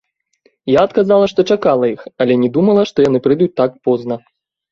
Я адказала, што чакала іх, але не думала, што яны прыйдуць так позна.